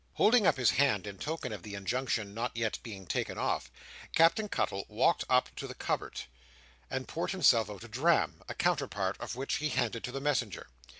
Holding up his hand in token of the injunction not yet being taken off, Captain Cuttle walked up to the cupboard, and poured himself out a dram; a counterpart of which he handed to the messenger.